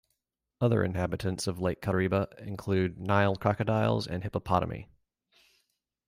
Other inhabitants of Lake Kariba include Nile crocodiles and hippopotami.